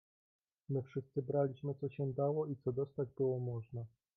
"My wszyscy braliśmy co się dało i co dostać było można."